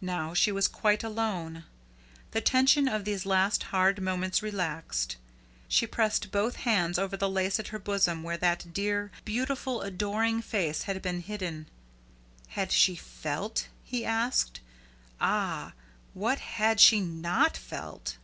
Now she was quite alone. The tension of these last hard moments relaxed. She pressed both hands over the lace at her bosom where that dear, beautiful, adoring face had been hidden. Had she FELT, he asked. Ah! what had she not felt?